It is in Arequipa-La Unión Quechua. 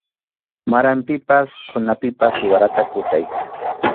Maranpipas qhunapipas siwarata kutay.